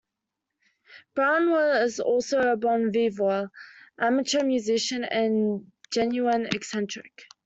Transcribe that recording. Brown was also a bon viveur, amateur musician and genuine eccentric.